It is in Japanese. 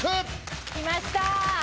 きましたー